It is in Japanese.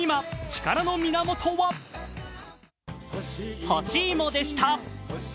力の源は、干し芋でした。